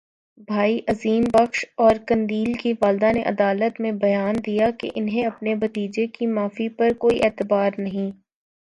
بھائی عظیم بخش اور قندیل کی والدہ نے عدالت میں بیان دیا کہ انہیں اپنے بھتیجے کی معافی پر کوئی اعتبار نہیں